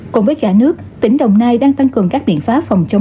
qua thực hiện người dân rất đồng tình ủng hộ